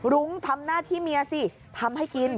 รุ้งทำหน้าที่เมียสิทำให้กิน